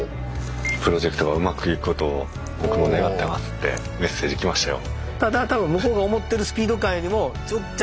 ってメッセージきましたよ。